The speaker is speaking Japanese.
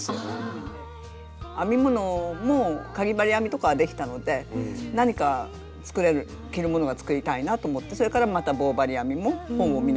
編み物もかぎ針編みとかはできたので何か着るものが作りたいなと思ってそれからまた棒針編みも本を見ながら覚えました。